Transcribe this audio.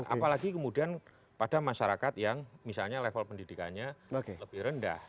apalagi kemudian pada masyarakat yang misalnya level pendidikannya lebih rendah